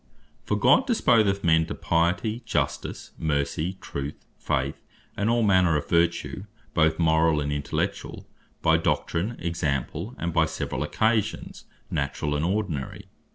For God disposeth men to Piety, Justice, Mercy, Truth, Faith, and all manner of Vertue, both Morall, and Intellectuall, by doctrine, example, and by severall occasions, naturall, and ordinary.